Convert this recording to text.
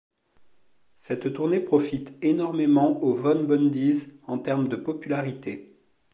Cette tournée profite énormément aux Von Bondies en termes de popularité.